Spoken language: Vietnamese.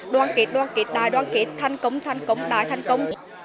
đoàn kết đoàn kết đoàn kết đoàn kết thân công thân công đoàn kết thân công